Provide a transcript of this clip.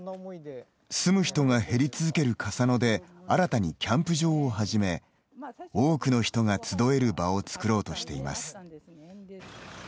住む人が減り続ける笠野で新たにキャンプ場を始め多くの人が集える場を作ろうとしています。